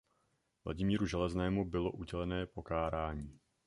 Vladimíru Železnému bylo udělené pokárání.